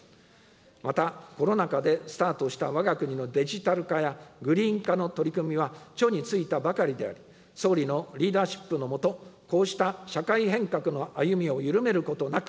また、コロナ禍でスタートしたわが国のデジタル化や、グリーン化の取り組みは緒に就いたばかりであり、総理のリーダーシップの下、こうした社会変革の歩みを緩めることなく、